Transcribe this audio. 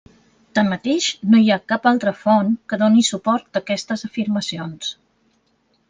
Tanmateix, no hi ha cap altra font que doni suport a aquestes afirmacions.